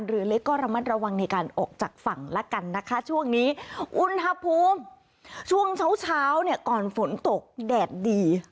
หรือเล็กก็ระมัดระวังในการออกจากฝั่งละกันนะคะช่วงนี้อุณหภูมิช่วงเช้าเช้าเนี่ยก่อนฝนตกแดดดี